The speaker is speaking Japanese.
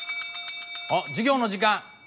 あっ授業の時間。